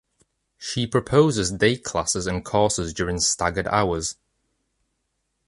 She proposes day classes and courses during staggered hours.